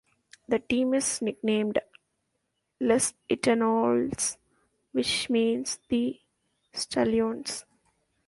The team is nicknamed "Les Etalons", which means "The Stallions".